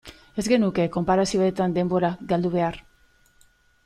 Ez genuke konparazioetan denbora galdu behar.